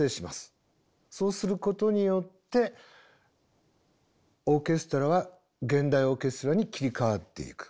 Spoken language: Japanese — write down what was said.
そうすることによってオーケストラは現代オーケストラに切り替わっていく。